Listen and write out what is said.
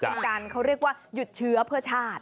เป็นการเขาเรียกว่าหยุดเชื้อเพื่อชาติ